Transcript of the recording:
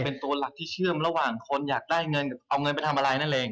เป็นตัวหลักที่เชื่อมระหว่างคนอยากได้เงินเอาเงินไปทำอะไรนั่นเอง